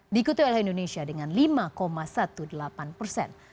diikuti oleh indonesia dengan lima delapan belas persen